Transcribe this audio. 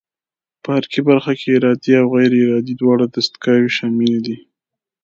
په حرکي برخه کې ارادي او غیر ارادي دواړه دستګاوې شاملې دي.